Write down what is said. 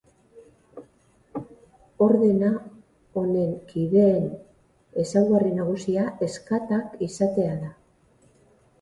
Ordena honen kideen ezaugarri nagusia ezkatak izatea da.